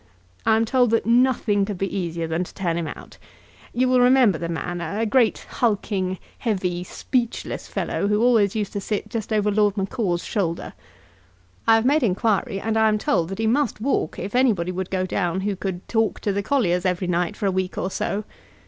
I am told that nothing could be easier than to turn him out. You will remember the man a great, hulking, heavy, speechless fellow, who always used to sit just over Lord Macaw's shoulder. I have made inquiry, and I am told that he must walk if anybody would go down who could talk to the colliers every night for a week or so.